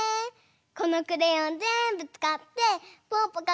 このクレヨンぜんぶつかってぽぅぽか